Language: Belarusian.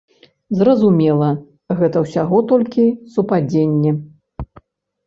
Зразумела, гэта ўсяго толькі супадзенне.